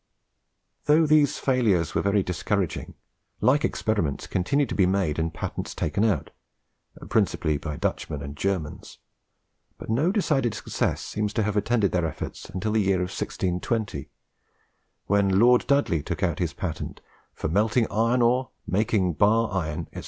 Though these failures were very discouraging, like experiments continued to be made and patents taken out, principally by Dutchmen and Germans, but no decided success seems to have attended their efforts until the year 1620, when Lord Dudley took out his patent "for melting iron ore, making bar iron, &c.